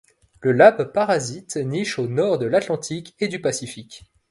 Le labbe parasite niche au nord de l'Atlantique et du Pacifique.